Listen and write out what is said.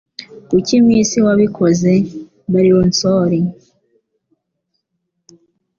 Kuki mwisi wabikoze? (marloncori)